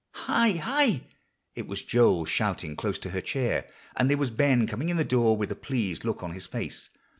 "Hi hi!" It was Joel shouting close to her chair, and there was Ben coming in the door with a pleased look on his face.